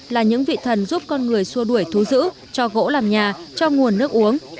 là những vị thần giúp con người xua đuổi thú giữ cho gỗ làm nhà cho nguồn nước uống